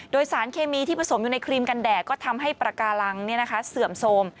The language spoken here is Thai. โดยสารเคมีที่ผสมอยู่ในครีมกันแดดก็ทำให้ปากการังเสื่อมโทรม